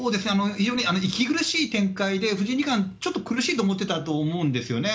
非常に息苦しい展開で、藤井二冠、ちょっと苦しいと思ってたと思うんですよね。